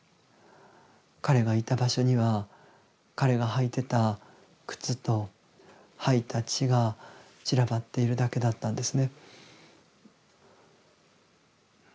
彼がいた場所には彼が履いてた靴と吐いた血が散らばっているだけだったんですね。